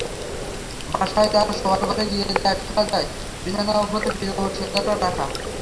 বাসায় তাঁর শোয়ার ঘরে গিয়ে দেখা যায়, বিছানার ওপরে প্রিয় সেতারটা রাখা।